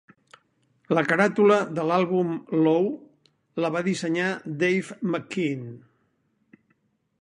La caràtula de l'àlbum Low la va dissenyar Dave McKean.